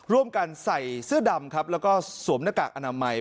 ร่วมกันใส่เสื้อดำครับแล้วก็สวมหน้ากากอนามัย